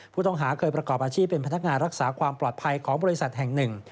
ผู้ต้องหาเคยประกอบอาชีพเป็นพนักงานรักษาความปลอดภัยของบริษัทแห่งหนึ่ง